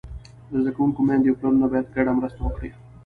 د زده کوونکو میندې او پلرونه باید ګډه مرسته وکړي.